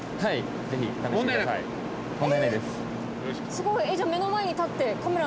すごい！